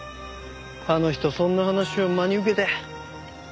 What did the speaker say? あの人そんな話を真に受けて。